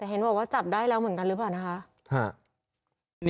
เห็นแต่ว่าจับได้แล้วเหมือนกัน